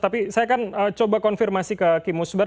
tapi saya akan coba konfirmasi ke imus baru